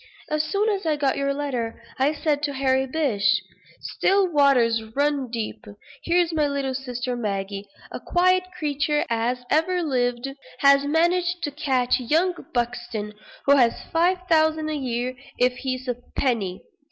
As soon as I got your letter I said to Harry Bish 'Still waters run deep; here's my little sister Maggie, as quiet a creature as ever lived, has managed to catch young Buxton, who has five thousand a year if he's a penny.'